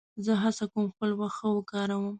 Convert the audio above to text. زه هڅه کوم خپل وخت ښه وکاروم.